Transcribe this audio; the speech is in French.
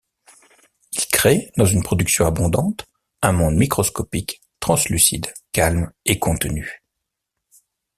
Il crée, dans une production abondante, un monde microscopique, translucide, calme et contenu.